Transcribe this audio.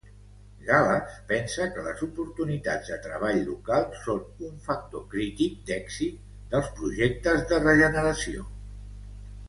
Gal·les pensa que les oportunitats de treball local són un factor crític d'èxit dels projectes de regeneració.